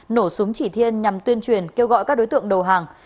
nổ súng chỉ thiên nhằm tuyên truyền kêu gọi các đối tượng đầu hàng